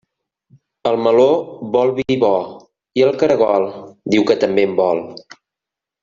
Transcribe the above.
El meló vol vi bo, i el caragol diu que també en vol.